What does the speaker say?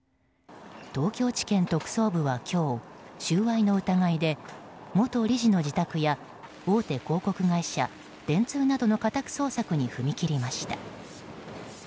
東京地検特捜部は今日収賄の疑いで元理事の自宅や大手広告会社電通などの家宅捜索に踏み切りました。